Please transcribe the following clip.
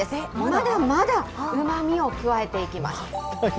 まだまだうまみを加えていきます。